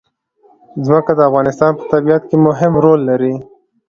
ځمکه د افغانستان په طبیعت کې مهم رول لري.